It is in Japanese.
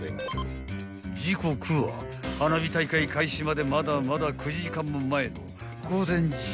［時刻は花火大会開始までまだまだ９時間も前の午前１０時］